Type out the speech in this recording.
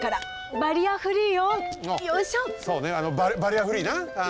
バリアフリー？